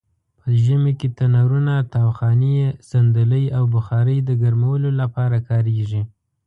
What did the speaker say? په ژمې کې تنرونه؛ تاوخانې؛ صندلۍ او بخارۍ د ګرمولو لپاره کاریږي.